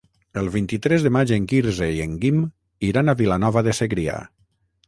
El vint-i-tres de maig en Quirze i en Guim iran a Vilanova de Segrià.